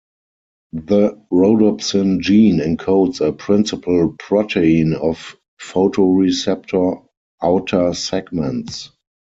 The rhodopsin gene encodes a principal protein of photoreceptor outer segments.